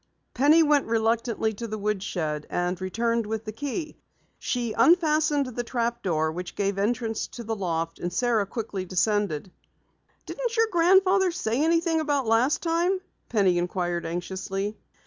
Penny went reluctantly to the woodshed and returned with the key. She unfastened the trapdoor which gave entrance to the loft and Sara quickly descended. "Didn't your grandfather say anything about last time?" Penny inquired anxiously.